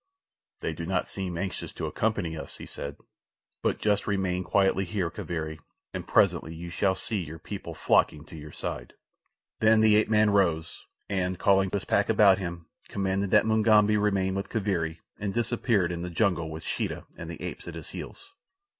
"They do not seem anxious to accompany us," he said; "but just remain quietly here, Kaviri, and presently you shall see your people flocking to your side." Then the ape man rose, and, calling his pack about him, commanded that Mugambi remain with Kaviri, and disappeared in the jungle with Sheeta and the apes at his heels.